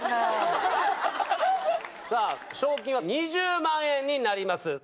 さぁ賞金は２０万円になります。